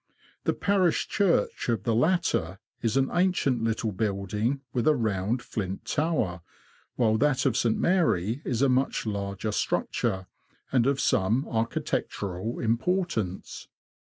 The parish church of the latter is an ancient little building, with a round, flint tower ; while that of St. Mary is a much larger structure, and of some architectural importance.